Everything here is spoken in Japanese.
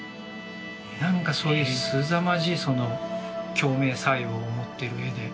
何かそういうすざまじいその共鳴作用を持ってる絵で。